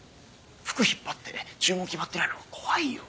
服引っ張って注文決まってないの怖いよ。